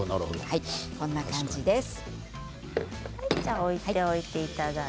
こんな感じですね。